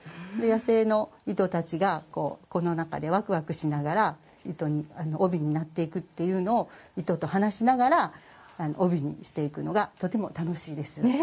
野生の糸たちがこの中でワクワクしながら帯になっていくというのを糸と話ながら帯にしていくのがとても楽しいです。